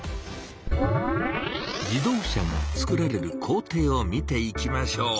自動車がつくられる工程を見ていきましょう。